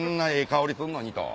香りすんのにと。